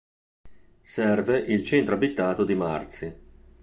Serve il centro abitato di Marzi.